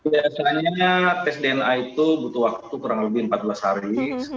biasanya tes dna itu butuh waktu kurang lebih empat belas hari